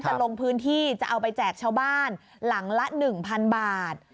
จะลงพื้นที่จะเอาไปแจกชาวบ้านหลังละ๑๐๐๐บาท